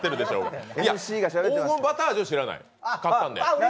黄金バター味を知らなかったんで。